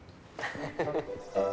フフフフ。